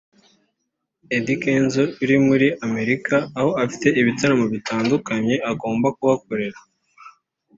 Eddy Kenzo uri muri Amerika aho afite ibitaramo bitandukanye agomba kuhakorera